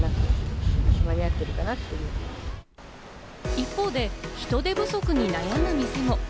一方で人手不足に悩む店も。